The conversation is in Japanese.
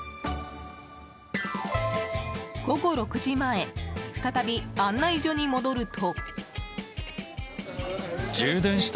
午後６時前再び案内所に戻ると。